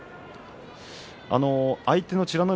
相手の美ノ